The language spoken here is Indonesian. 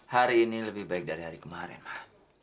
hari ini lebih baik dari hari kemarin lah